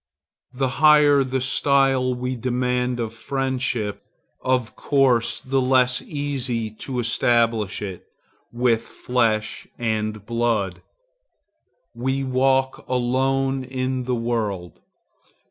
The higher the style we demand of friendship, of course the less easy to establish it with flesh and blood. We walk alone in the world.